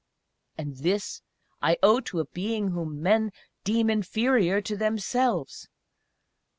And this I owe to a being whom men deem inferior to themselves!